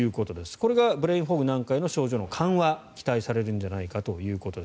これがブレインフォグなんかの症状の緩和が期待されるんじゃないかということです。